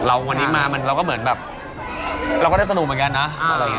เราวันนี้มามันเราก็เหมือนแบบเราก็ได้สนุกเหมือนกันเนอะเอ็นจอยเหมือนกัน